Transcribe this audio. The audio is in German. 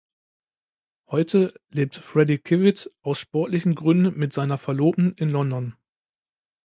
Heute lebt Freddy Kiwitt aus sportlichen Gründen mit seiner Verlobten in London.